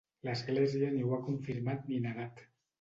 L'Església ni ho ha confirmat ni negat.